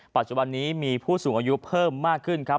ปัจจุบันนี้มีผู้สูงอายุเพิ่มมากขึ้นครับ